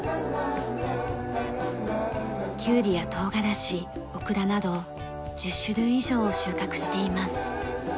キュウリや唐辛子オクラなど１０種類以上を収穫しています。